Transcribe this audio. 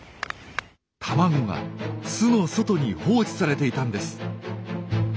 卵が巣の外に放置されていたんです。